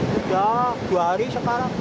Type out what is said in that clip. sudah dua hari sekarang